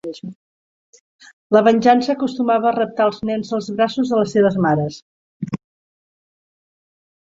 La Venjança acostumava a raptar els nens dels braços de les seves mares.